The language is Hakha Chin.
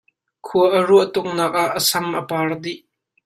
Khua a ruah tuknak ah a sam a par dih.